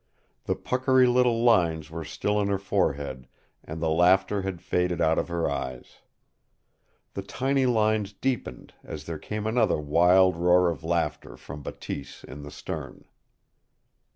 The puckery little lines were still in her forehead, and the laughter had faded out of her eyes. The tiny lines deepened as there came another wild roar of laughter from Bateese in the stern.